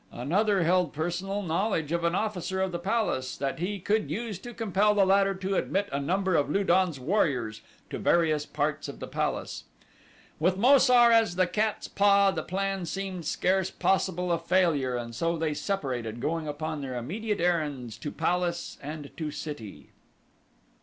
Another held personal knowledge of an officer of the palace that he could use to compel the latter to admit a number of Lu don's warriors to various parts of the palace. With Mo sar as the cat's paw, the plan seemed scarce possible of failure and so they separated, going upon their immediate errands to palace and to city.